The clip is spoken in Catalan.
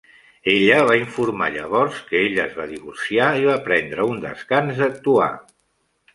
Ella va informar llavors que ella es va divorciar i va prendre un descans d'actuar.